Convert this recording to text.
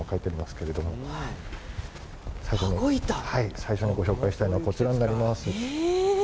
最初にご紹介したいのはこちらになります。